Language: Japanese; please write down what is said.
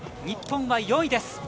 日本は４位です。